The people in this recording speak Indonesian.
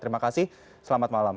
terima kasih selamat malam